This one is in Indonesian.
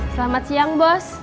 selamat siang bos